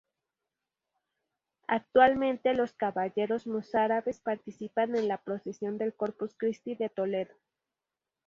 Actualmente los Caballeros Mozárabes participan en la procesión del Corpus Christi de Toledo.